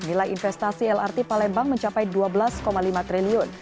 nilai investasi lrt palembang mencapai dua belas lima triliun